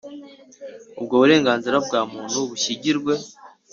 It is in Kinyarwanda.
ubwo burenganzira bwa muntu bushyigirwe